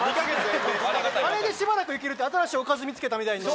あれでしばらく行けるって新しいおかず見つけたみたいに。